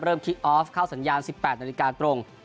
เริ่มคลิกออฟเข้าสัญญาณสิบแปดนาฬิกาตรง